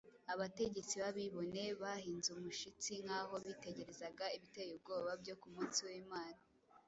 abategetsi b’abibone bahinze umushitsi nk’aho bitegerezaga ibiteye ubwoba byo ku munsi w’Imana.